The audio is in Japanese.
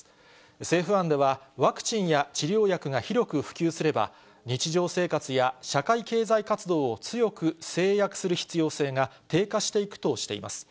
政府案では、ワクチンや治療薬が広く普及すれば、日常生活や社会経済活動を強く制約する必要性が低下していくとしています。